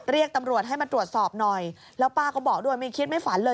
เรียกตำรวจให้มาตรวจสอบหน่อยแล้วป้าก็บอกด้วยไม่คิดไม่ฝันเลย